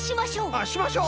あしましょう！